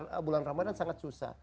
dan mulai bulan ramadan sangat susah